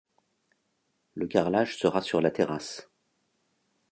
le carrelage sera sur la terrasse